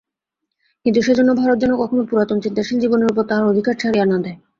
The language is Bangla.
কিন্তু সেজন্য ভারত যেন কখনও পুরাতন চিন্তাশীল জীবনের উপর তাহার অধিকার ছাড়িয়া না দেয়।